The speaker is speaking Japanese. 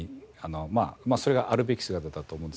まあそれがあるべき姿だとは思うんですけど。